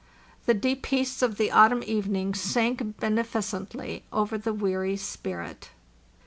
The deep peace of the autumn evening sank beneficently over the weary spirit.